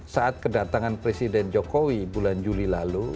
saat kedatangan presiden jokowi bulan juli lalu